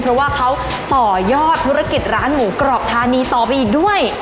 เพราะว่าเขาต่อยอดธุรกิจร้านหมูกรอบธานีต่อไปอีกด้วย